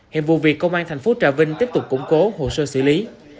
hiện vụ việc công an tp trà vinh tiếp tục củng cố hồ sơ xử lý